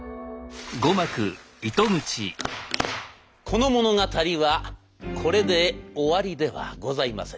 この物語はこれで終わりではございません。